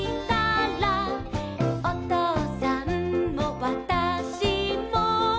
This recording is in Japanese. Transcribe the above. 「おとうさんもわたしも」